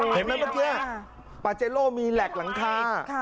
เมื่อกี้ปาเจโลมีแหลกหลังคา